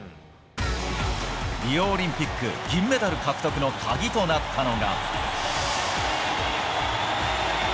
リオオリンピック銀メダル獲得の鍵となったのが。